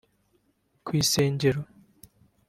kw’isengero